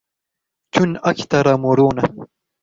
كن اكثر مرونه.